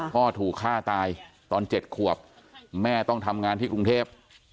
พ่อถูกฆ่าตายตอน๗ขวบแม่ต้องทำงานที่กรุงเทพ